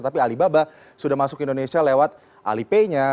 tapi alibaba sudah masuk ke indonesia lewat alipaynya